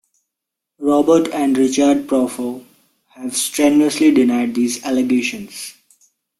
Robert and Richard Bropho have strenuously denied these allegations.